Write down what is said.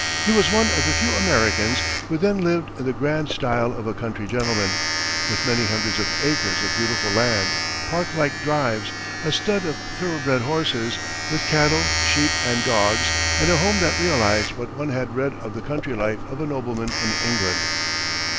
He was one of the few Americans who then lived in the grand style of a country gentleman, with many hundreds of acres of beautiful land, park like drives, a stud of thoroughbred horses, with cattle, sheep, and dogs, and a home that realized what one had read of the country life of a nobleman in England.